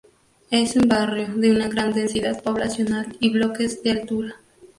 Es un barrio de una gran densidad poblacional y bloques en altura.